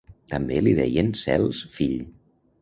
També li deien Cels fill.